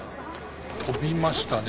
飛びましたね。